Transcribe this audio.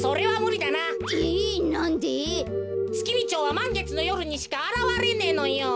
はまんげつのよるにしかあらわれねえのよ。